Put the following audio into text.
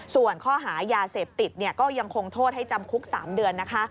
ส่วนข้อหายาเสพติดก็ยังคงโทษให้จำคุก๓เดือนนะคะ